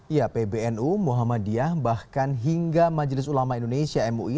ya pbnu muhammadiyah bahkan hingga majelis ulama indonesia mui